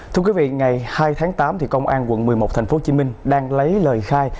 thưa quý vị ngày hai tháng tám công an quận một mươi một tp hcm đang lấy lời khai